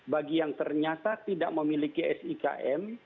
bagi yang ternyata tidak memiliki sikm